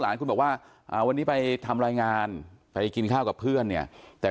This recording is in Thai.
คุณบอกว่าวันนี้ไปทำรายงานไปกินข้าวกับเพื่อนเนี่ยแต่